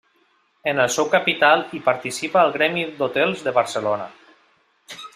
En el seu capital hi participa el Gremi d'Hotels de Barcelona.